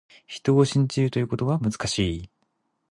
人を信じるということは、難しい。